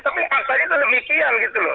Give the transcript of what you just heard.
tapi faktanya itu demikian gitu loh